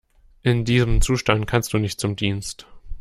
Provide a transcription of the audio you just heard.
In diesem Zustand kannst du nicht zum Dienst.